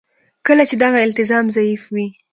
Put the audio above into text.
کله چې دغه التزام ضعیف وي.